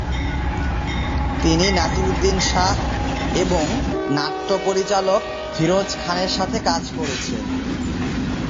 তিনি নাসিরউদ্দিন শাহ এবং নাট্য পরিচালক ফিরোজ খানের সাথে কাজ করেছেন।